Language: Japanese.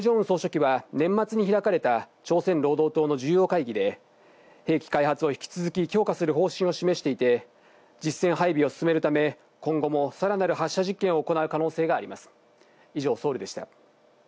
総書記は年末に開かれた朝鮮労働党の重要会議で兵器開発を引き続き強化する方針を示していて、実戦配備を進めるため、今後もさらなる発射実験を行う可能性があります。